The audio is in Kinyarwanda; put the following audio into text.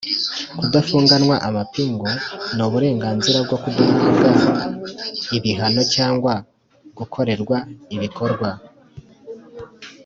kudafunganwa amapingu n uburenganzira bwo kudahabwa ibihano cyangwa gukorerwa ibikorwa